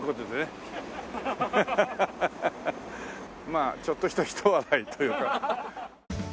まあちょっとしたひと笑いというか。